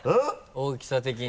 大きさ的に。